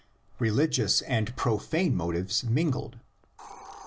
RELIGIOUS AND PROFANE MOTIVES MINGLED.